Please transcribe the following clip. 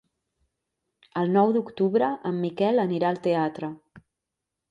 El nou d'octubre en Miquel anirà al teatre.